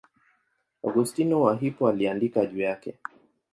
Augustino wa Hippo aliandika juu yake.